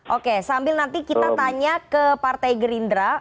oke sambil nanti kita tanya ke partai gerindra